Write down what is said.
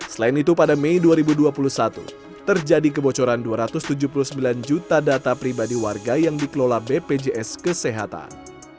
selain itu pada mei dua ribu dua puluh satu terjadi kebocoran dua ratus tujuh puluh sembilan juta data pribadi warga yang dikelola bpjs kesehatan